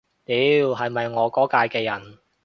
屌，係咪我嗰屆嘅人